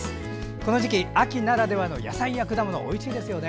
この時期秋ならではの野菜や果物おいしいですよね。